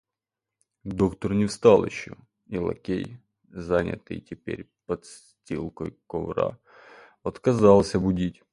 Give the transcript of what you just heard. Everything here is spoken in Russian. Доктор не вставал еще, и лакей, занятый теперь постилкой ковра, отказался будить.